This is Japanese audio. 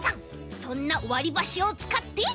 そんなわりばしをつかって。